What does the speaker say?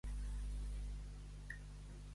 Ser un faltat.